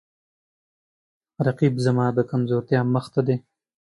رقیب زما د کمزورتیاو مخ ته دی